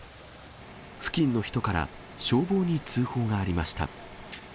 付近の人から消防に通報がありました。